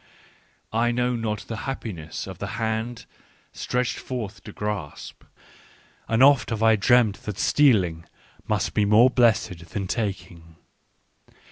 " I know not the happiness of the hand stretched forth to grasp ; and oft have I dreamt that steal ing must be more blessed than taking.